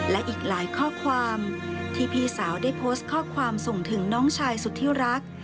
และอีกหลายข้อความที่พี่สาวได้โพสต์ข้อความส่งถึงน้องชายสุดที่รัก